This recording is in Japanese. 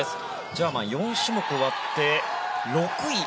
ジャーマン４種目終わって６位。